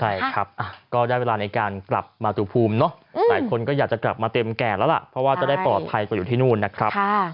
ใช่ครับก็ได้เวลาในการกลับมาตุภูมิเนาะหลายคนก็อยากจะกลับมาเต็มแก่แล้วล่ะเพราะว่าจะได้ปลอดภัยกว่าอยู่ที่นู่นนะครับ